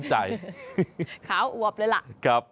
ใจขาวอวบเลยล่ะ